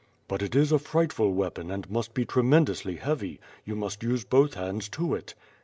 "But it is a frightful weapon and must be tremendously heavy, you must use both hands to it."